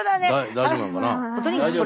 大丈夫なのかな。